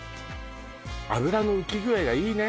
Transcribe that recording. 脂の浮き具合がいいね